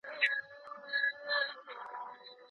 سياستوال وايي چي دوی د ولس چوپړ ته ژمن دي.